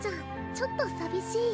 ちょっとさびしい？